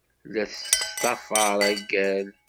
La tettḍafar agal.